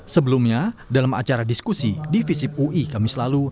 sebelumnya dalam acara diskusi di visip ui kamis lalu